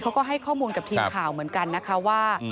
เขาก็ให้ข้อมูลกับทีมข่าวเหมือนกันนะคะว่า